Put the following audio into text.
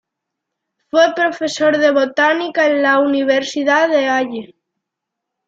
Fue profesor de Botánica en la Universidad de Halle.